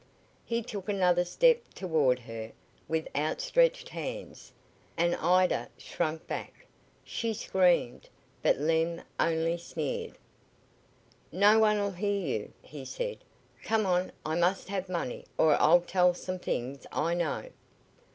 He took another step toward her with outstretched hands, and Ids shrank back. She screamed, but Lem only sneered. "No one'll hear you," he said. "Come on, I must have money, or I'll tell some things I know."